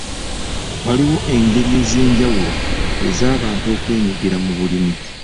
Waliwo engeri ez'enjawulo ez'abantu okwenyigira mu bulimi.